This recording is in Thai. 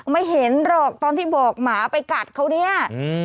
ไม่เห็นหรอกตอนที่บอกหมาไปกัดเขาเนี่ยอืม